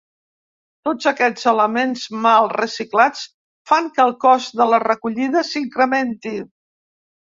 Tots aquests elements mal reciclats fan que el cost de la recollida s’incrementi.